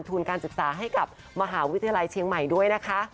ทุนการศึกษาให้กับมหาวิทยาลัยเชียงใหม่ด้วยนะคะ